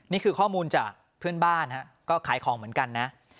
นี่คือข้อมูลจากเพื่อนบ้านก็ขายของเหมือนกันนะ